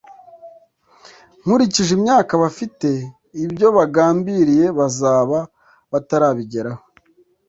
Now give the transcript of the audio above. Nkurikije imyaka bafite ibyo bagambiriye bazaba batarabigeraho